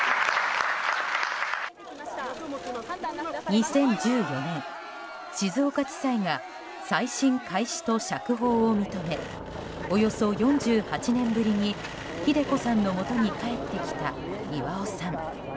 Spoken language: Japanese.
２０１４年静岡地裁が再審開始と釈放を認めおよそ４８年ぶりにひで子さんのもとに帰ってきた巌さん。